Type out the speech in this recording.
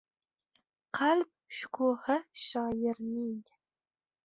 Qalb shukuhi shoirning